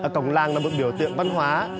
cổng làng là một biểu tiệm văn hóa